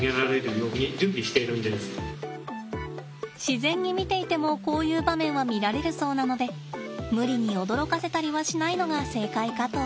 自然に見ていてもこういう場面は見られるそうなので無理に驚かせたりはしないのが正解かと。